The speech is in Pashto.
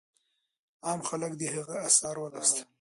عام خلک د هغې آثار ولوستل.